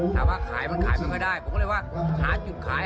ถามว่าขายมันขายมันก็ได้ผมก็เลยว่าหาจุดขาย